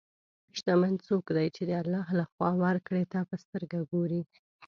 شتمن څوک دی چې د الله له خوا ورکړې ته په سترګو ګوري.